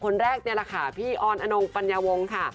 คนแรกนี่แหละค่ะพี่ออนอนงปัญญาวงค่ะ